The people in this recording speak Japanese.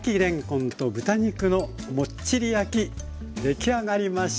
出来上がりました。